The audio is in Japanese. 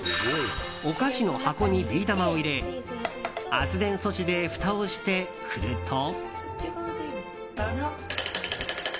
お菓子の箱にビー玉を入れ圧電素子でふたをして振ると。